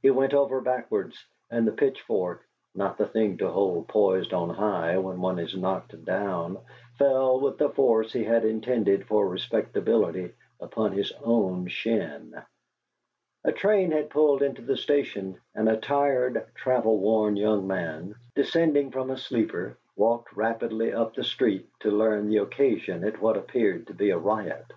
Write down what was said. He went over backwards, and the pitchfork (not the thing to hold poised on high when one is knocked down) fell with the force he had intended for Respectability upon his own shin. A train had pulled into the station, and a tired, travel worn young man, descending from a sleeper, walked rapidly up the street to learn the occasion of what appeared to be a riot.